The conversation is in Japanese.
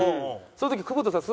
その時久保田さん